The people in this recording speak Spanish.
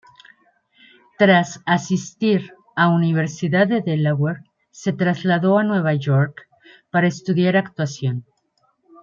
Tras asistir a Universidad de Delaware, se trasladó a Nueva York para estudiar actuación.